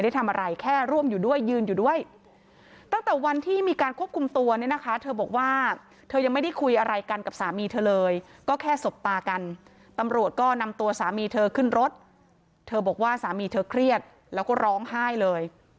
เธอยังไม่ได้คุยอะไรกันกับสามีเธอเลยก็แค่สบตากันตำรวจก็นำตัวสามีเธอขึ้นรถเธอบอกว่าสามีเธอเครียดแล้วก็ร้องไห้เลย